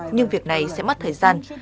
nhưng việc này sẽ mất thời gian